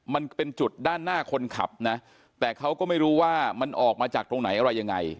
มันเป็นจุดด้านหน้าคนขับนะแต่เขาก็ไม่รู้ว่ามันออกมาจากตรงไหนอะไรยังไง